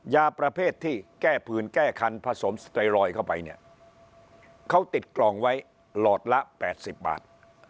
ยาประเภทที่แก้ผื่นแก้คันผสมสเตยรอยด์เข้าไปเนี่ยเขาติดกล่องไว้หลอดละ๘๐บาท